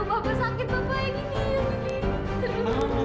bapak sakit bapak ini